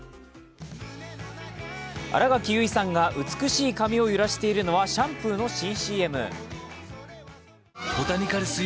新垣結衣さんが美しい髪を揺らしているのはシャンプーの新ＣＭ。